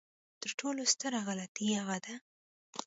تر ټولو ستره غلطي هغه ده.